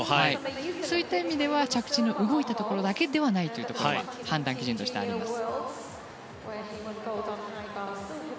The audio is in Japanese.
そういった意味では着地、動いたところだけではないというのが判断基準としてあります。